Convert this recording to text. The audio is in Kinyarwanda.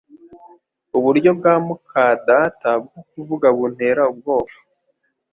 Uburyo bwa muka data bwo kuvuga buntera ubwoba